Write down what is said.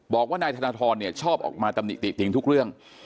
บอกว่านายธนทรชอบออกมาตำหนิติติงทุกเรื่อง